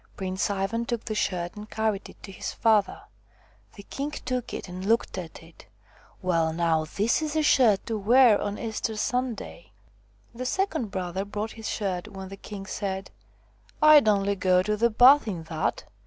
Prince Ivan took the shirt and carried it to his father. The king took it and looked at it: "Well, now, this is a shirt to wear on Easter Sunday !" The second brother brought his shirt, when the king said :" I 'd only go to the bath in that!"